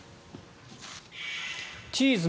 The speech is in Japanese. チーズ。